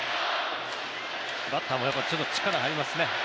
バッターも力入りますね。